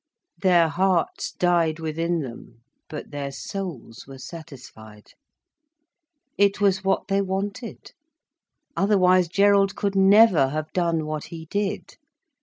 Their hearts died within them, but their souls were satisfied. It was what they wanted. Otherwise Gerald could never have done what he did.